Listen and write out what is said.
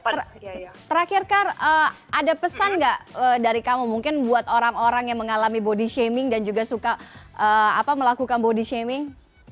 terakhir kar ada pesan nggak dari kamu mungkin buat orang orang yang mengalami body shaming dan juga suka melakukan body shaming